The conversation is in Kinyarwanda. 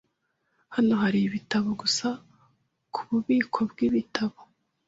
Hano hari ibitabo gusa kububiko bwibitabo.